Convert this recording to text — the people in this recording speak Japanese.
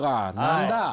何だ。